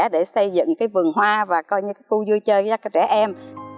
để xây dựng cái vườn hoa và coi như cái khu vui chơi cho các trẻ em